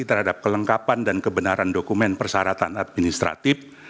terhadap kelengkapan dan kebenaran dokumen persyaratan administratif